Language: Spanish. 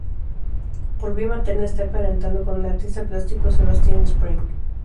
Por vía materna está emparentado con el artista plástico Sebastián Spreng.